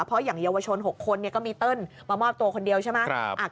เพราะอย่างเยาวชน๖คนก็มีเติ้ลมามอบตัวคนเดียวใช่ไหม